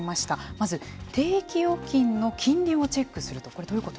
まず、定期預金の金利をチェックすると。